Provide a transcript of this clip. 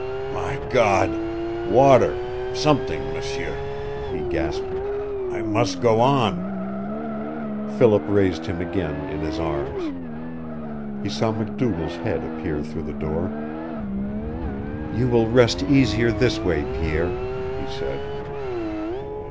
"My God! water something M'sieur," he gasped. "I must go on!" Philip raised him again in his arms. He saw MacDougall's head appear through the door. "You will rest easier this way, Pierre," he said.